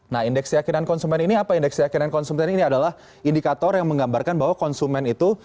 nah indeks keyakinan konsumen ini apa indeks keyakinan konsumen ini adalah indikator yang menggambarkan bahwa konsumen itu